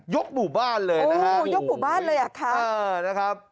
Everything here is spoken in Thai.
ยกหมู่บ้านเลยนะครับ